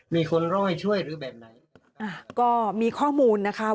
มีคนร่อยช่วยหรือแบบไหนอ่าก็มีข้อมูลนะคะ